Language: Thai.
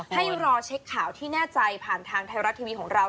ให้รอเช็คข่าวที่แน่ใจผ่านทางไทยรัฐทีวีของเรา